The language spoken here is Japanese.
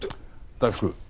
大福。